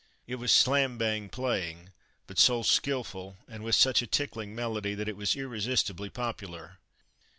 It was slam bang playing, but so skilful, and with such a tickling melody, that it was irresistibly popular.